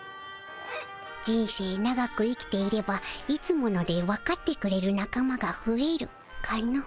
人生長く生きていれば「いつもの」でわかってくれる仲間がふえるかの？